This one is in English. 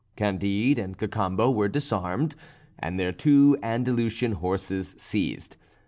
Candide and Cacambo were disarmed, and their two Andalusian horses seized.